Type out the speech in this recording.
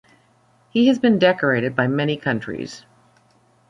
He has been decorated by many countries.